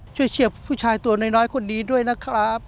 เชื่อผู้ชายตัวน้อยคนนี้ด้วยนะครับ